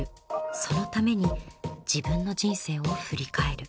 そのために自分の人生を振り返る。